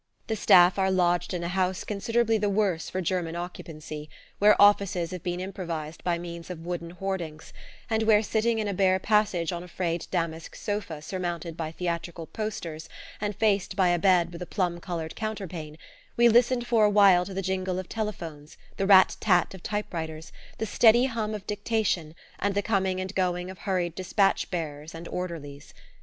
The Staff are lodged in a house considerably the worse for German occupancy, where offices have been improvised by means of wooden hoardings, and where, sitting in a bare passage on a frayed damask sofa surmounted by theatrical posters and faced by a bed with a plum coloured counterpane, we listened for a while to the jingle of telephones, the rat tat of typewriters, the steady hum of dictation and the coming and going of hurried despatch bearers and orderlies.